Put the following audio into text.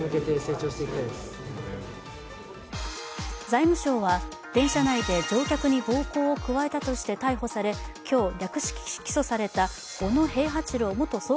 財務省は電車内で乗客に暴行を加えたとして逮捕され今日、略式起訴された小野平八郎元総括